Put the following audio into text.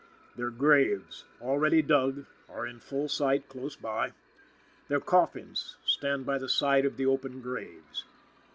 Their graves, already dug, are in full sight close by. Their coffins stand by the side of the open graves.